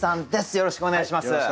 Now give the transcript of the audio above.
よろしくお願いします。